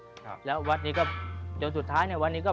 วัดสุทัศน์นี้จริงแล้วอยู่มากี่ปีตั้งแต่สมัยราชการไหนหรือยังไงครับ